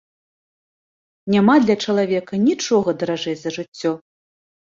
Няма для чалавека нічога даражэй за жыццё.